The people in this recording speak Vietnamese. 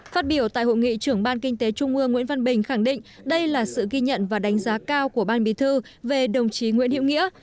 phát biểu tại hội nghị trưởng ban kinh tế trung ương nguyễn văn bình khẳng định đây là sự ghi nhận và đánh giá cao của ban bí thư về đồng chí nguyễn hiệu nghĩa